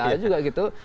ada juga gitu